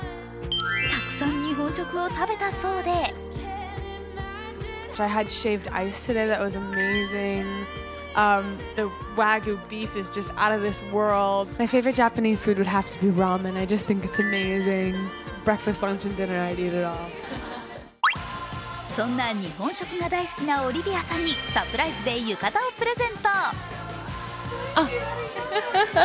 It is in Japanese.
たくさん日本食を食べたそうでそんな日本食が大好きなオリヴィアさんにサプライズで浴衣をプレゼント。